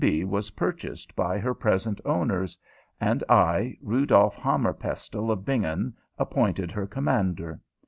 _ was purchased by her present owners, and I, Rudolf Hammerpestle, of Bingen, appointed her commander.